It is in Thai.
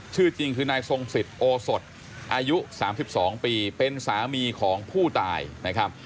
ชื่อจริงคือนายทรงสิทธิโอสดอายุ๓๒ปีเป็นสามีของผู้ตายนะครับ